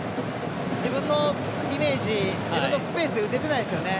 自分のイメージ自分のスペースで打ててないですよね。